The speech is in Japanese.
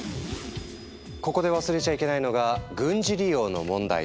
ここで忘れちゃいけないのが軍事利用の問題。